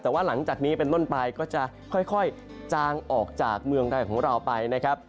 แต่ว่าหลังจากนี้เป็นต้นไปก็จะค่อยจางออกจากเมืองไทยของเราไปนะครับ